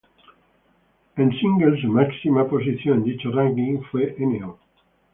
En singles su máxima posición en dicho ranking fue No.